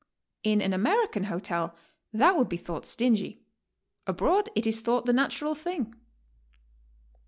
In an Ameri can hotel that would bethought stingy; abroad it is thought the natural thing.